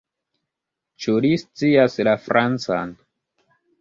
Ĉu li scias la Francan?